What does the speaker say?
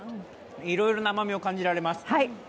いろいろな甘みを感じられます。